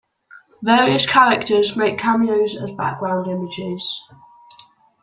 Various characters make cameos as background images.